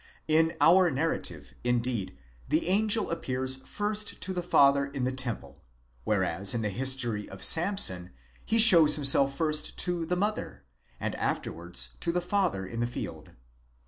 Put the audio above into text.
In our narrative, indeed, the angel appears first to the father in the temple, whereas in the history of Samson he shows himself first to the mother, and afterwards to the father in the field.